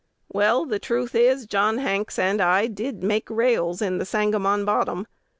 "Well, the truth is, John Hanks and I did make rails in the Sangamon Bottom.